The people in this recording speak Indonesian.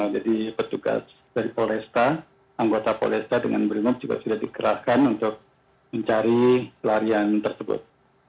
jadi petugas dari polresta anggota polresta dengan berimut juga sudah dikerahkan untuk mencari pelarian tersebut